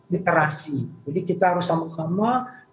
literasi jadi kita harus sama sama